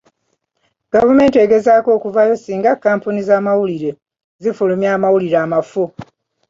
Gavumenti egezaako okuvaayo singa kkampuni z'amawulire zifulumya amawulire amafu.